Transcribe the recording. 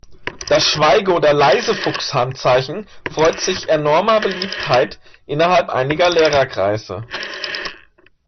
Das Schweige- oder Leisefuchs-Handzeichen freut sich enormer Beliebtheit innerhalb einiger Lehrer-Kreise.